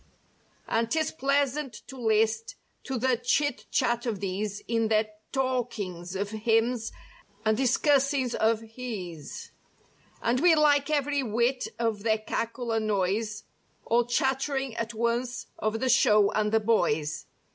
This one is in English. And 'tis pleasant to list to the chit chat of these In their talkihgs of "hims" and discussings of "hes 141 And we like every whit of their cackle and noise, All chatt'ring at once of the show and the boys.